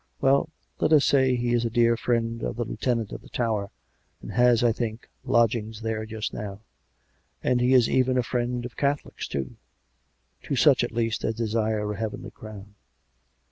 '' Well; let us say he is a dear friend of the Lieutenant of the Tower, and has, I think, lodgings there just now. And he is even a friend of Catholics, too — to such, at least, as desire a heavenly crown."